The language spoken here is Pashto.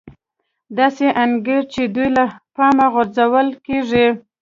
داسې انګېري چې دوی له پامه غورځول کېږي